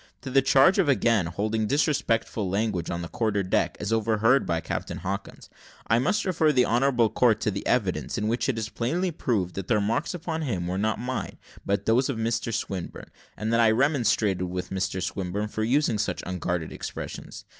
To the charge of again holding disrespectful language on the quarter deck, as overheard by Captain Hawkins, I must refer the honourable court to the evidence, in which it is plainly proved that the remarks upon him were not mine, but those of Mr Swinburne, and that I remonstrated with Mr Swinburne for using such unguarded expressions.